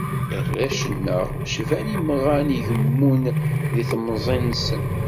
Arrac-nneɣ cban imɣan igemmun di temẓi-nsen.